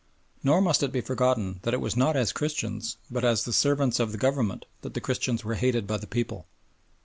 Nor must it be forgotten that it was not as Christians, but as the servants of the Government, that the Christians were hated by the people.